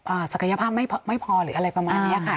อ่าศักยภาพไม่พอหรืออะไรประมาณนี้ค่ะ